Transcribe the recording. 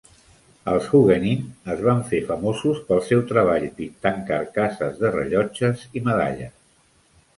Els Huguenin es van fer famosos pel seu treball pintant carcasses de rellotges i medalles.